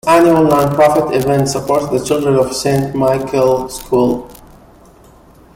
This annual Non-Profit event supports the children of Saint Michael School.